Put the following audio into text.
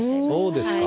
そうですか。